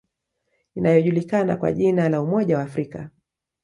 Inayojulikana kwa jina la Umoja wa Afrika